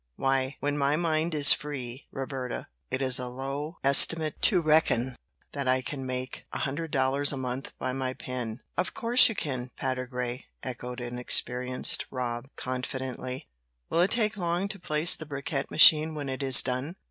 Why, when my mind is free, Roberta, it is a low estimate to reckon that I can make a hundred dollars a month by my pen." "Of course you can, Patergrey," echoed inexperienced Rob, confidently. "Will it take long to place the bricquette machine when it is done?"